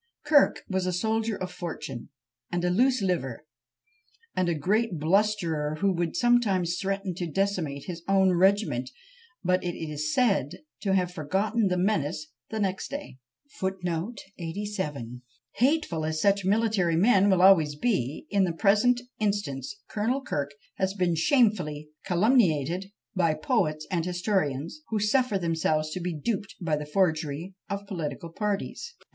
Kirk was a soldier of fortune, and a loose liver, and a great blusterer, who would sometimes threaten to decimate his own regiment, but is said to have forgotten the menace the next day. Hateful as such military men will always be, in the present instance Colonel Kirk has been shamefully calumniated by poets and historians, who suffer themselves to be duped by the forgeries of political parties!